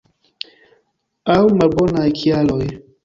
Aŭ malbonaj kialoj.